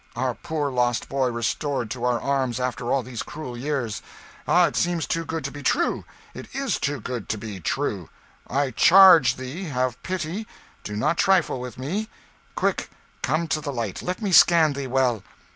Our poor lost boy restored to our arms after all these cruel years! Ah, it seems too good to be true, it is too good to be true I charge thee, have pity, do not trifle with me! Quick come to the light let me scan thee well!"